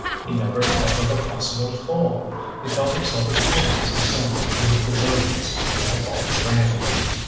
He never thought of a possible fall; he felt himself at home as he sank into the darkness beneath the falling rain.